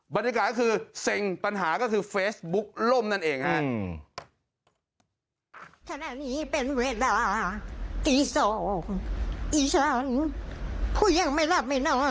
บรรยากาศคือเซ็งปัญหาก็คือเฟซบุ๊กล่มนั่นเองฮะ